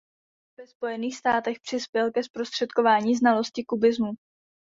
Ve Spojených státech přispěl ke zprostředkování znalosti kubismu.